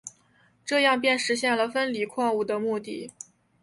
这样便实现了分离矿物的目的。